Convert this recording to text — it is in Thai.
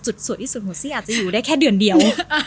สวยที่สุดของซี่อาจจะอยู่ได้แค่เดือนเดียว